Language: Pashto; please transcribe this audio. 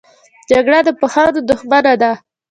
جګړه د پوهانو دښمنه ده